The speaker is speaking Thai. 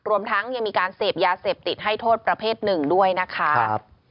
รวมทั้งยังมีการเสพยาเสพติดให้โทษประเภทหนึ่งด้วยนะคะ